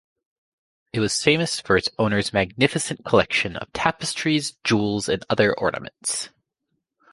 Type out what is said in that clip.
It was famous for its owner's magnificent collection of tapestries, jewels, and other ornaments.